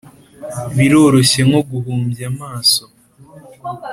biroroshye, nko guhumbya amaso.